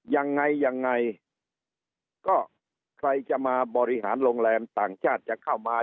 ยังไงยังไงก็ใครจะมาบริหารโรงแรมต่างชาติจะเข้ามา